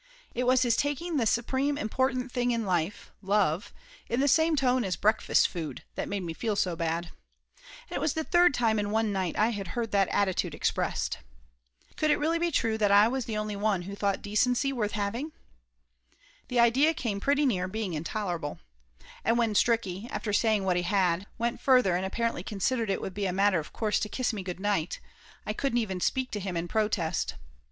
It was his taking the supreme important thing in life love in the same tone as breakfast food, made me feel so bad. And it was the third time in one night I had heard that attitude expressed. Could it really be true that I was the only one who thought decency worth having ? Laughter Limited 123 The idea come pretty near being intolerable. And when Stricky, after saying what he had, went further and apparently considered it would be a matter of course to kiss me good night, I couldn't even speak to him in protest.